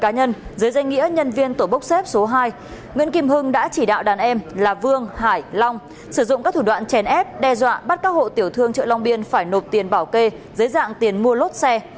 nguyễn kim hưng đã chỉ đạo đàn em là vương hải long sử dụng các thủ đoạn chèn ép đe dọa bắt các hộ tiểu thương chợ long biên phải nộp tiền bảo kê dưới dạng tiền mua lốt xe